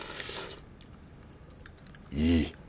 いい。